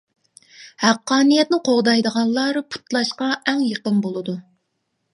-ھەققانىيەتنى قوغدايدىغانلار پۇتلاشقا ئەڭ يېقىن بولىدۇ.